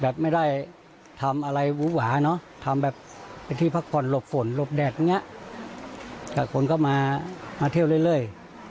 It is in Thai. ไม่ได้ทำอะไรวูบหวาเนอะทำแบบเป็นที่พักผ่อนหลบฝนหลบแดดอย่างเงี้ยแต่คนก็มาเที่ยวเรื่อย